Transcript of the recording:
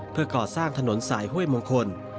เพื่อก่อสร้างถนนสายห้วยมงคล